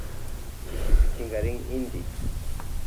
Chishipi chinkarin inti.